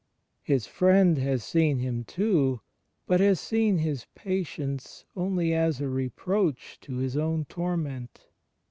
His friend has seen Him too, but has seen His patience only as a reproach to His own torment.